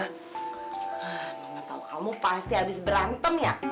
hah mama tau kamu pasti habis berantem ya